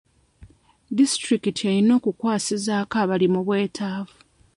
Disitulikiti erina okukwasizaako abali mu bwetaavu.